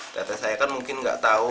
teteh saya kan mungkin gak tau